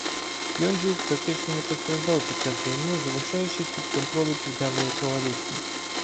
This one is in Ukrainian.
Кьонджу практично не постраждав під час війни, залишаючись під контролем південної коаліції.